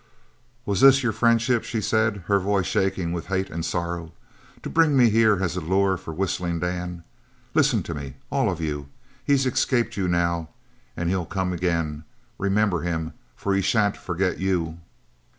"Was this your friendship?" she said, her voice shaking with hate and sorrow, "to bring me here as a lure for Whistling Dan? Listen to me, all of you! He's escaped you now, and he'll come again. Remember him, for he shan't forget you!"